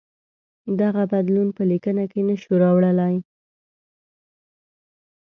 دغه بدلون په لیکنه کې نه شو راوړلای.